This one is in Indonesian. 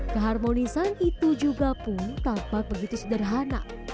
keharmonisan itu juga pun tampak begitu sederhana